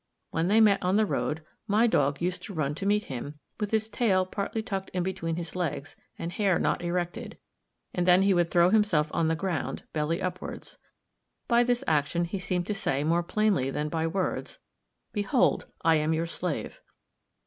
When they met on the road, my dog used to run to meet him, with his tail partly tucked in between his legs and hair not erected; and then he would throw himself on the ground, belly upwards. By this action he seemed to say more plainly than by words, "Behold, I am your slave."